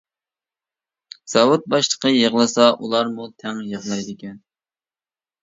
زاۋۇت باشلىقى يىغلىسا، ئۇلارمۇ تەڭ يىغلايدىكەن.